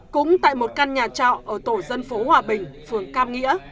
cũng tại một căn nhà trọ ở tổ dân phố hòa bình phường cam nghĩa